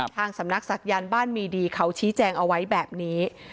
ทางสำนักศักยันต์บ้านมีดีเขาชี้แจงเอาไว้แบบนี้